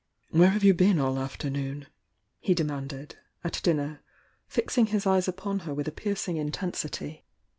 Where have you been all the afternoon?" he de manded, at dmner, fixing his eyes upon her with a piercing intensity.